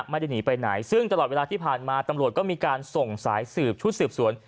ไม่ได้หนีไปไหนซึ่งตลอดเวลาที่ผ่านมาตำรวจก็มีการส่งสายสืบชุดสืบสวน